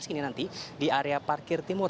sini nanti di area parkir timur